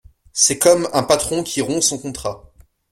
C’est comme un patron qui rompt son contrat.